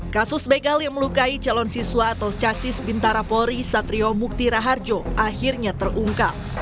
kasus begal yang melukai calon siswa atau casis bintara polri satrio mukti raharjo akhirnya terungkap